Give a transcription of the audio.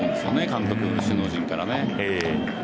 監督や首脳陣からね。